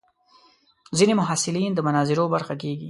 ځینې محصلین د مناظرو برخه کېږي.